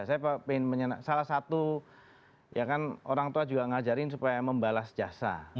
saya pengen salah satu ya kan orang tua juga ngajarin supaya membalas jasa